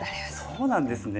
そうなんですね。